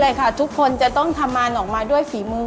การที่บูชาเทพสามองค์มันทำให้ร้านประสบความสำเร็จ